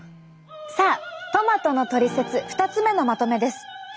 さあトマトのトリセツ２つ目のまとめです。